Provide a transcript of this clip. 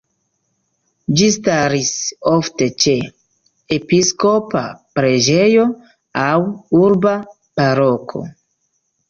Ĝi staris ofte ĉe episkopa preĝejo aŭ urba paroko.